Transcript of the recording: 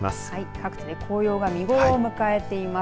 各地で紅葉が見頃を迎えています。